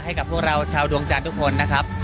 ให้กับพวกเราชาวดวงจันทร์ทุกคนนะครับ